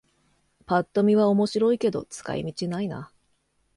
ぱっと見は面白いけど使い道ないな